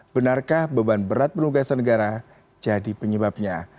benarkah beban berat penugasan negara jadi penyebabnya